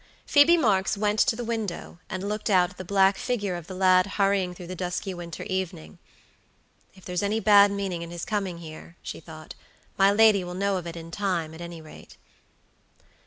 Phoebe Marks went to the window, and looked out at the black figure of the lad hurrying through the dusky winter evening. "If there's any bad meaning in his coming here," she thought, "my lady will know of it in time, at any rate."